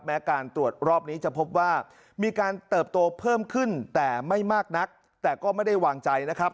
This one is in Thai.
การตรวจรอบนี้จะพบว่ามีการเติบโตเพิ่มขึ้นแต่ไม่มากนักแต่ก็ไม่ได้วางใจนะครับ